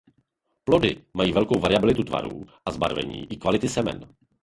Plody mají velkou variabilitu tvarů a zbarvení i kvality semen.